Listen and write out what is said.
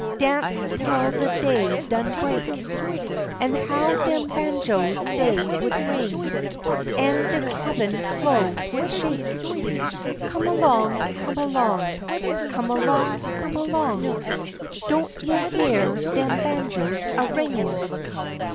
Dance tel de day done break. An' how dem banjos dey would ring, An' de cabin flo' would shake! Come along, come along, Come along, come along, Don't you heah dem banjos a ringin'?